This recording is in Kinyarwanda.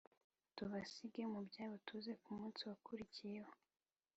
tubasige mubyabo tuze kumunsi wakurikiyeho